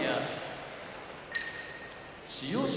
千代翔